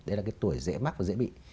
đấy là cái tuổi dễ mắc và dễ bị